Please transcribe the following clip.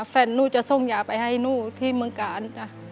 แฟนนู้นจะส่งยาไปให้นู้นที่มังการ